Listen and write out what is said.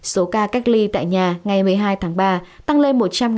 số ca cách ly tại nhà ngày một mươi hai tháng ba tăng lên một trăm linh chín mươi chín ca